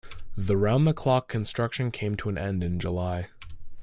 The round-the-clock construction came to an end in July.